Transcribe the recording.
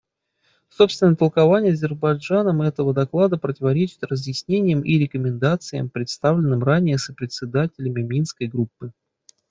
Собственное толкование Азербайджаном этого доклада противоречит разъяснениям и рекомендациям, представленным ранее сопредседателями Минской группы.